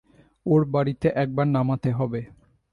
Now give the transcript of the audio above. ওর বাড়িতে একবার নামাতে হবে।